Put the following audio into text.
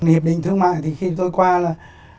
hiệp định thương mại thì khi tôi qua là